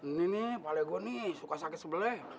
ini nih kepala gue nih suka sakit sebelah